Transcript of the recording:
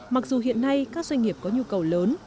mặc dù hiện nay các doanh nghiệp có nhu cầu lớn